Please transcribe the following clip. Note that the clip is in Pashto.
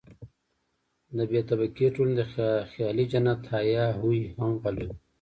د بې طبقې ټولنې د خیالي جنت هیا هوی هم غلی وو.